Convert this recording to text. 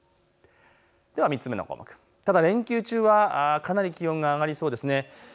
では３つ目の項目、ただ連休中はかなり気温が上がりそうです。